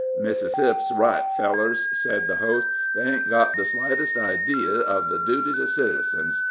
"Mississip's right, fellers," said the host. "They ain't got the slightest idee of the duties of citizens.